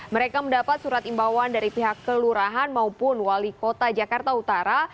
mereka mendapat surat imbauan dari pihak kelurahan maupun wali kota jakarta utara